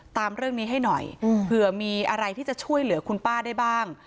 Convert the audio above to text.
ตามเรื่องนี้ให้หน่อยเผื่อมีอะไรที่จะช่วยเหลือคุณป้าได้บ้าง